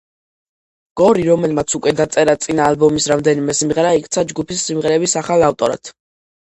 გორი, რომელმაც უკვე დაწერა წინა ალბომის რამდენიმე სიმღერა, იქცა ჯგუფის სიმღერების ახალ ავტორად.